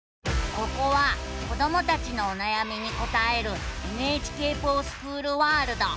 ここは子どもたちのおなやみに答える「ＮＨＫｆｏｒＳｃｈｏｏｌワールド」。